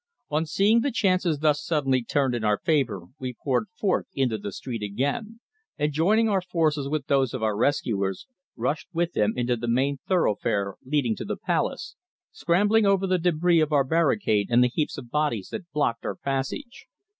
On seeing the chances thus suddenly turned in our favour we poured forth into the street again, and joining our forces with those of our rescuers, rushed with them into the main thoroughfare leading to the palace, scrambling over the débris of our barricade and the heaps of bodies that blocked our passage.